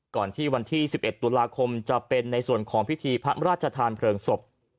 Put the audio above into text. ก่อนที่วันที่๑๑ตุลาคมจะเป็นในส่วนของพิธีพระราชทานเพลิงศพ